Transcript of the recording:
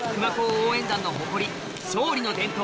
応援団の誇り『勝利の伝統』